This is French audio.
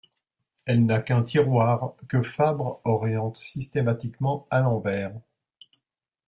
Elle n’a qu’un tiroir, que Fabre oriente systématiquement à l’envers.